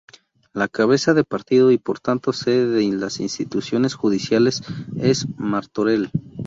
La cabeza de partido y por tanto sede de las instituciones judiciales es Martorell.